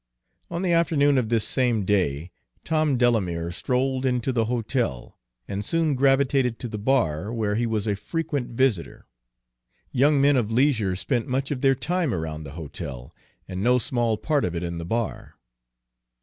On the afternoon of this same day Tom Delamere strolled into the hotel, and soon gravitated to the bar, where he was a frequent visitor. Young men of leisure spent much of their time around the hotel, and no small part of it in the bar.